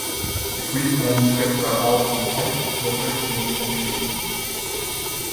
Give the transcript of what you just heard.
The Greek manuscripts are all from the tenth to the thirteenth centuries.